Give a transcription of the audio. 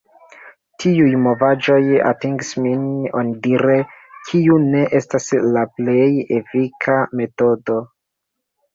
Tiuj novaĵoj atingis min “onidire”, kiu ne estas la plej efika metodo.